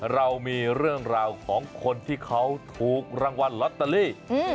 เรามีเรื่องราวของคนที่เขาถูกรางวัลลอตเตอรี่